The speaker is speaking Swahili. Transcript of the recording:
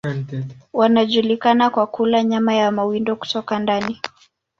Wanajulikana kwa kula nyama ya mawindo kutoka ndani.